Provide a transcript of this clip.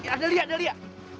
ada lia ada lia